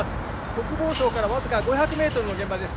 国防省から僅か５００メートルの現場です。